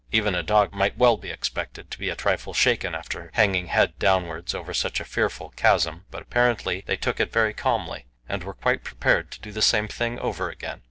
Even a dog might well be expected to be a trifle shaken after hanging head downwards over such a fearful chasm; but apparently they took it very calmly, and were quite prepared to do the same thing over again.